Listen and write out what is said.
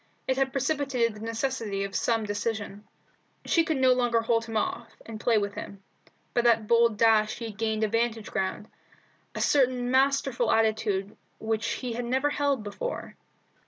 It had precipitated the necessity of some decision. She could no longer hold him off, and play with him. By that bold dash he had gained a vantage ground, a certain masterful attitude which he had never held before.